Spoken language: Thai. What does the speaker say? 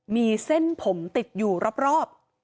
มีเส้นผมติดอยู่รอบ